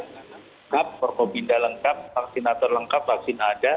lengkap kompobinda lengkap vaksinator lengkap vaksin ada